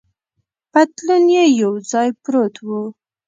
پتلون یې یو ځای پروت و.